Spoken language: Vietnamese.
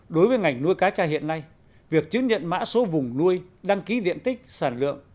đối với ngành nuôi cá tra hiện nay việc chứng nhận mã số vùng nuôi đăng ký diện tích sản lượng